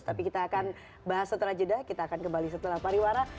tapi kita akan bahas setelah jeda kita akan kembali setelah pariwara